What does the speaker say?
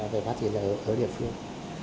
về phát triển ở địa phương